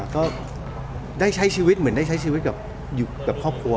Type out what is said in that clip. ก็ได้ใช้ชีวิตเหมือนได้ใช้ชีวิตกับครอบครัว